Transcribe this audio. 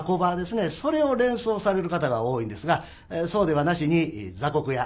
それを連想される方が多いんですがそうではなしに雑穀屋